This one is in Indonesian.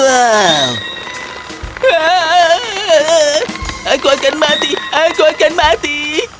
wow aku akan mati aku akan mati